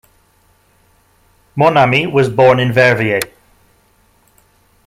Monami was born in Verviers.